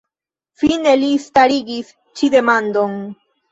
Fine li starigis ĉi demandon.